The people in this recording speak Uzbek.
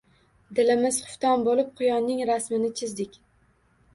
Dilimiz xufton bo`lib, quyonning rasmini chizdik